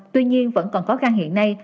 tuy nhiên vẫn còn khó khăn hiện nay